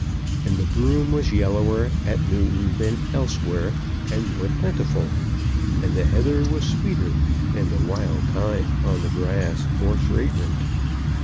And the broom was yellower at Newton than elsewhere, and more plentiful; and the heather was sweeter; and wild thyme on the grass more fragrant.